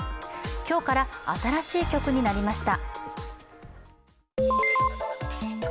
今日から新しい曲になりました。